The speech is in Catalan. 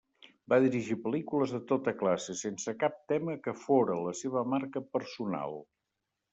Va dirigir pel·lícules de tota classe, sense cap tema que fóra la seva marca personal.